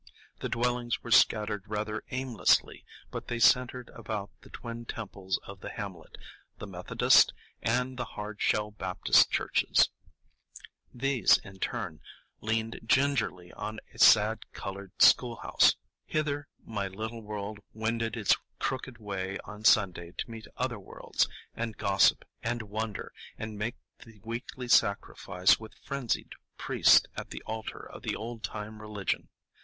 The dwellings were scattered rather aimlessly, but they centred about the twin temples of the hamlet, the Methodist, and the Hard Shell Baptist churches. These, in turn, leaned gingerly on a sad colored schoolhouse. Hither my little world wended its crooked way on Sunday to meet other worlds, and gossip, and wonder, and make the weekly sacrifice with frenzied priest at the altar of the "old time religion."